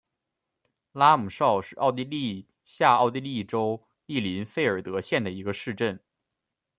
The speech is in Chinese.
拉姆绍是奥地利下奥地利州利林费尔德县的一个市镇。